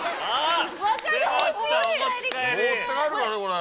持って帰るからねこれ。